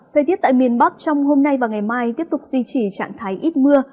thời tiết tại miền bắc trong hôm nay và ngày mai tiếp tục duy trì trạng thái ít mưa